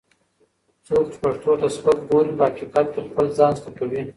څوک چې پښتو ته سپک ګوري، په حقیقت کې خپل ځان سپکوي